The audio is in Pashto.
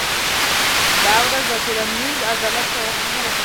دا ورځ د ټولنیز عدالت پیغام رسوي.